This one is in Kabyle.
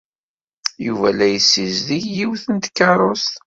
Yuba la yessizdig yiwet n tkeṛṛust.